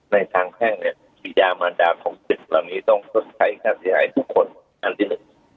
ในทางแทนเนี่ยภิกษามารดาของเด็กต้องสดใจค่าเสียหายทุกคนอันที่หนึ่ง